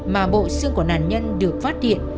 mà bộ xương của nạn nhân được phát hiện